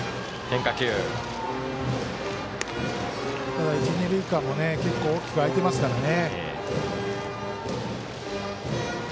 ただ、一、二塁間も結構大きく空いてますからね。